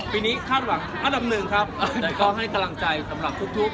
ปีนี้คาดหวังอันดับหนึ่งครับแต่ก็ให้กำลังใจสำหรับทุก